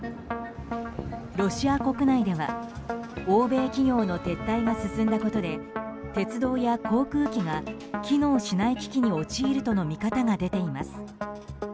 ロシア国内では欧米企業の撤退が進んだことで鉄道や航空機が機能しない危機に陥るとの見方が出ています。